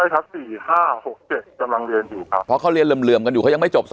ใช่ครับ๔๕๖๗กำลังเรียนอยู่ครับ